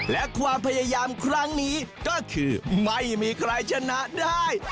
และความพยายามครั้งนี้ก็คือไม่มีใครชนะได้